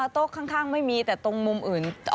โต๊ะข้างไม่มีแต่ตรงมุมอื่น